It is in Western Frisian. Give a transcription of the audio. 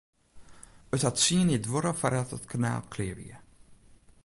It hat tsien jier duorre foardat it kanaal klear wie.